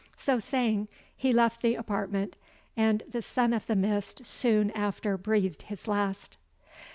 So saying, he left the apartment, and the Son of the Mist soon after breathed his last.